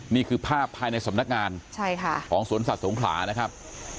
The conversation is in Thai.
นี่คือภาพภายในสำนักงานของสวนสัตว์สงขลานะครับ